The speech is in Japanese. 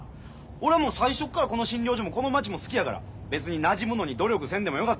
俺はもう最初っからこの診療所もこの町も好きやから別になじむのに努力せんでもよかった。